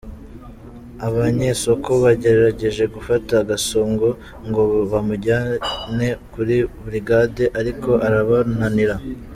Abanyesoko bagerageje gufata Gasongo ngo bamujyane kuri burigade, ariko arabananira.